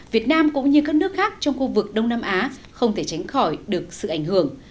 việt nam cũng như các nước khác trong khu vực đông nam á không thể tránh khỏi được sự ảnh hưởng